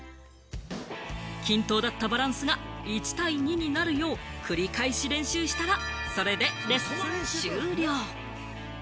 均等だったバランスが１対２になるよう繰り返し練習したら、それでレッスン終了。